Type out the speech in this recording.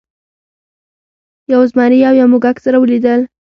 یو زمري او یو موږک سره ولیدل.